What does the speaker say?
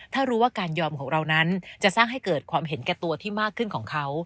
ถ้ารู้ว่าการยอมของเรานั้นจะสร้างให้เกิดความเห็นแก่ตัวที่มากขึ้นของเขา